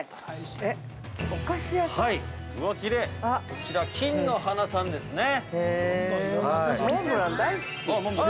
◆こちら、金ノ華さんですね。